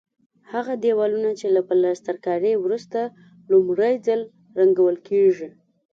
هغه دېوالونه چې له پلسترکارۍ وروسته لومړی ځل رنګول کېږي.